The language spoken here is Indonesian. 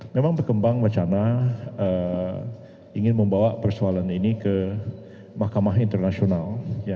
memang berkembang wacana ingin membawa persoalan ini ke mahkamah internasional